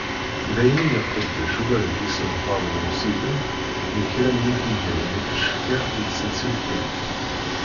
Daymi i iqeddec ula deg yiṣenfaṛen n usideg n kra n yidigan d yifecka n tsenselkimt.